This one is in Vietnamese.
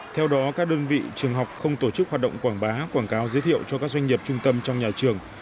theo đó các đơn vị trường học không tổ chức hoạt động quảng bá quảng cáo giới thiệu cho các doanh nghiệp trung tâm trong nhà trường